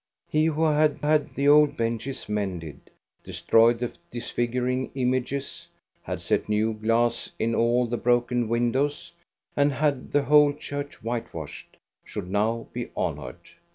He who had had the old benches mended, destroyed the disfiguring images, had set new glass in all the broken windows, and had the whole church whitewashed, should now be honored.